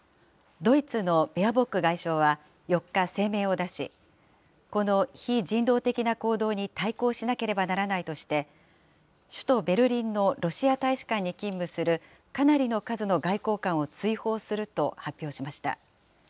ドイツのベアボック外相は４日、声明を出し、この非人道的な行動に対抗しなければならないとして、首都ベルリンのロシア大使館に勤務するかなりの数の外交官を追放すると発表しました。